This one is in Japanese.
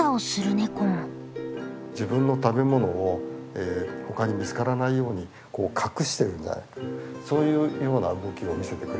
自分の食べ物を他に見つからないようにこう隠しているんじゃないかとそういうような動きを見せてくれました。